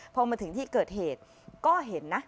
พอมาถึงที่เกิดเหตุก็เห็นนะ